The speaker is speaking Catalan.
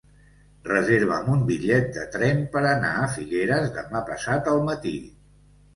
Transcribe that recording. Reserva'm un bitllet de tren per anar a Figueres demà passat al matí.